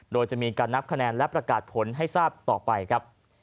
โดยจะมีการนับคะแนนและประกาศผลให้ทราบต่อไปครับ